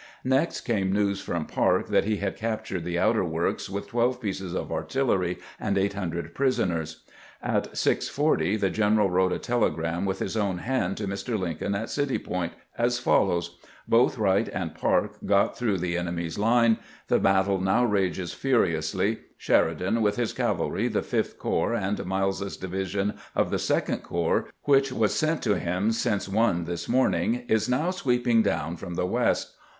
Next came news from Parke that he had captured the outer works, with 12 pieces of artillery and 800 prisoners. At 6 : 40 the general wrote a tele gram with his own hand to Mr. Lincoln at City Point, as follows :" Both Wright and Parke got through the enemy's line. The battle now rages furiously. Sheri dan, with his cavalry, the Fifth Corps, and MUes's division of the Second Corps, which was sent to him since one this morning, is now sweeping down from the west.